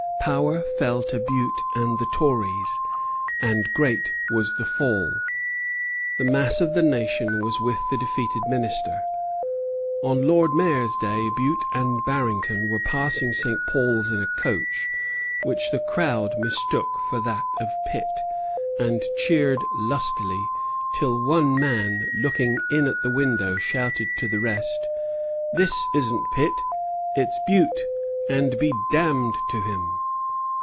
Power fell to Bute and the Tories; and great was the fall. The mass of the nation was with the defeated Minister. On Lord Mayor's Day Bute and Barrington were passing St. Paul's in a coach, which the crowd mistook for that of Pitt, and cheered lustily; till one man, looking in at the window, shouted to the rest: "This isn't Pitt; it's Bute, and be damned to him!"